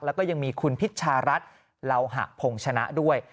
แล้วก็ยังมีคุณพิชารัฐเหล่าหะพงชนะด้วย